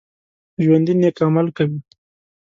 ژوندي نیک عمل کوي